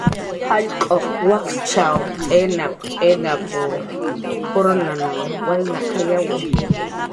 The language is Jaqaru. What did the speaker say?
"Jallq'uq wakchan t'inap"" t'inap"" kurlan walnaqayawi"